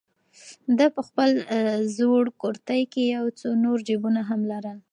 ده په خپل زوړ کورتۍ کې یو څو نور جېبونه هم لرل.